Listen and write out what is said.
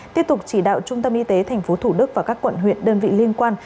tiếp tục chỉ đạo trung tâm y tế tp thủ đức và các quận huyện đơn vị liên quan